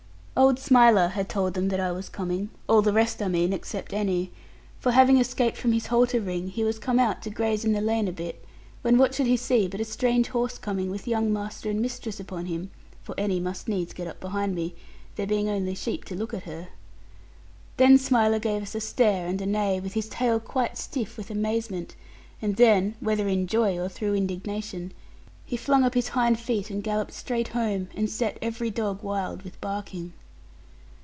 Old Smiler had told them that I was coming all the rest, I mean, except Annie for having escaped from his halter ring, he was come out to graze in the lane a bit; when what should he see but a strange horse coming with young master and mistress upon him, for Annie must needs get up behind me, there being only sheep to look at her. Then Smiler gave us a stare and a neigh, with his tail quite stiff with amazement, and then (whether in joy or through indignation) he flung up his hind feet and galloped straight home, and set every dog wild with barking.